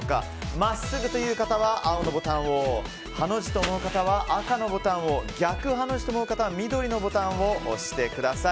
真っすぐという方は青のボタンをハの字という方は赤のボタンを逆ハの字と思う方は緑のボタンを押してください。